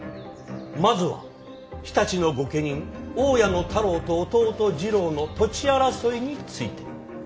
まずは常陸の御家人大谷太郎と弟次郎の土地争いについて。